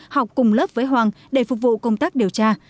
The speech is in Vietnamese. học cùng lớp với hoàng để phục vụ công tác điều tra